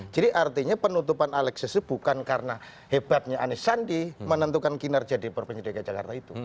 jadi artinya penutupan alexis bukan karena hebatnya anis sandi menentukan kinerja di pemprov dg jakarta itu